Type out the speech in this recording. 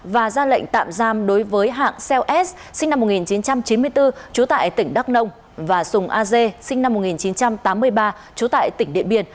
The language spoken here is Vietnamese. và ra lệnh tạm giam đối với hạng xeo s sinh năm một nghìn chín trăm chín mươi bốn trú tại tỉnh đắk nông và sùng a dê sinh năm một nghìn chín trăm tám mươi ba trú tại tỉnh điện biên